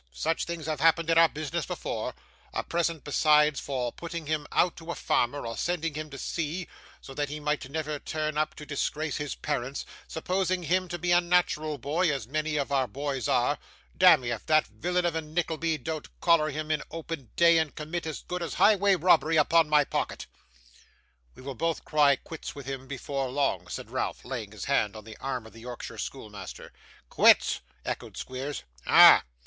such things have happened in our business before a present besides for putting him out to a farmer, or sending him to sea, so that he might never turn up to disgrace his parents, supposing him to be a natural boy, as many of our boys are damme, if that villain of a Nickleby don't collar him in open day, and commit as good as highway robbery upon my pocket.' 'We will both cry quits with him before long,' said Ralph, laying his hand on the arm of the Yorkshire schoolmaster. 'Quits!' echoed Squeers. 'Ah!